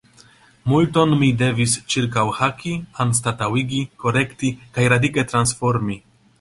Multon mi devis ĉirkaŭhaki, anstataŭigi, korekti kaj radike transformi.